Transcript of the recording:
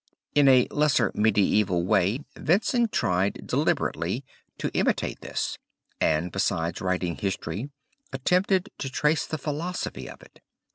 In a lesser medieval way Vincent tried deliberately to imitate this and besides writing history attempted to trace the philosophy of it.